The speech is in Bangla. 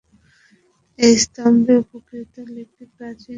এই স্তম্ভে উৎকীর্ণ লিপি প্রাচীন তিব্বতী লিপির নিদর্শন।